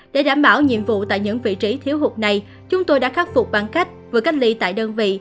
để đảm bảo nhiệm vụ tại những vị trí thiếu hụt này chúng tôi đã khắc phục bằng cách vừa cách ly tại đơn vị